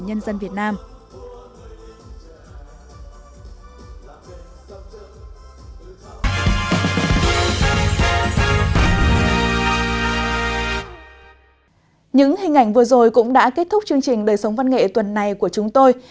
những hình ảnh vừa rồi cũng đã kết thúc chương trình đời sống văn nghệ tuần này của chúng tôi